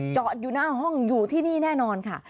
จอดอยู่หน้าห้องอยู่ที่นี่แน่นอนค่ะ